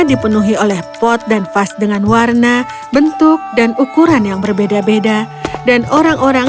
dipenuhi oleh pot dan vas dengan warna bentuk dan ukuran yang berbeda beda dan orang orang